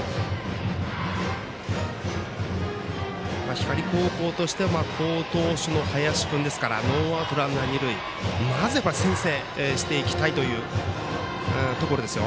光高校としても好投手の林君ですからノーアウト、ランナー、二塁まずは先制していきたいというところですよ。